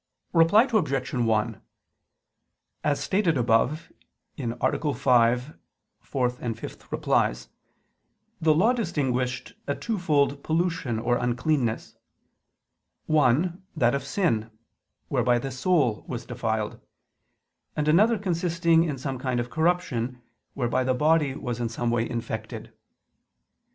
Reply Obj. 1: As stated above (A. 5, ad 4, 5), the Law distinguished a twofold pollution or uncleanness; one, that of sin, whereby the soul was defiled; and another consisting in some kind of corruption, whereby the body was in some way infected.